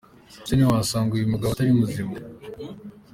Ese ntiwasanga uyu mugabo atari muzima ?.